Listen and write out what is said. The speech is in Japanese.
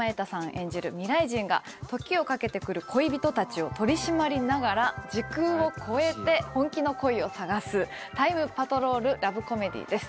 演じる未来人が時をかけてくる恋人たちを取り締まりながら時空を超えて本気の恋を探すタイムパトロールラブコメディです。